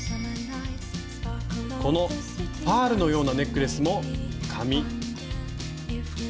このパールのようなネックレスも紙。